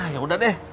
ya udah deh